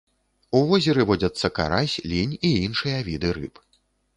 У возеры водзяцца карась, лінь і іншыя віды рыб.